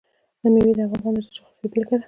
مېوې د افغانستان د جغرافیې بېلګه ده.